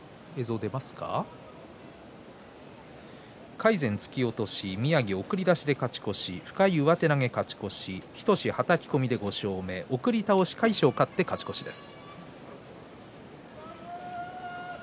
魁禅は突き落とし宮城は送り出しで勝ち越し深井、上手投げで勝ち越し日翔志は、はたき込みで５勝目送り倒しで魁勝が勝って勝ち越しです。